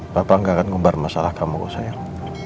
papa gak akan ngebar masalah kamu sayang